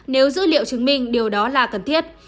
nếu dữ liệu chứng minh điều đó là cần thiết